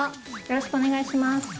よろしくお願いします。